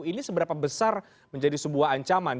ini seberapa besar menjadi sebuah ancaman